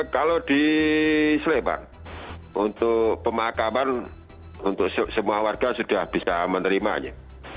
kalau di sleman untuk pemakaman untuk semua warga sudah bisa menerimanya